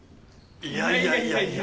いやいやいやいや